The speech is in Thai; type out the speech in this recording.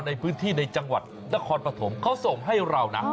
ในพื้นที่ในจังหวัดนครปฐมเขาส่งให้เรานะ